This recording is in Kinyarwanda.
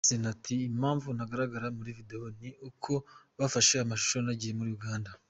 Uncle Austin ati “Impamvu ntagaragara muri video ni uko bafashe amashusho nagiye muri Uganda.